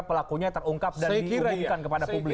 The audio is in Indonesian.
pelakunya terungkap dan dikirimkan kepada publik